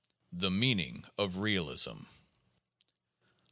The Meaning of Realism.